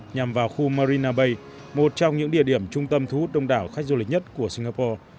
nhằm vào khu marina bay một trong những địa điểm trung tâm thú hút đông đảo khách du lịch nhất của singapore